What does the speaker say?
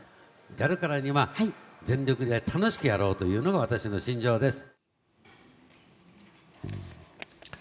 やるからには全力で楽しくやろうというのが私の信条です。